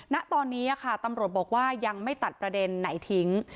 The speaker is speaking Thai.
ณตอนนี้ค่ะตำรวจบอกว่ายังไม่ตัดประเด็นไหนทิ้ง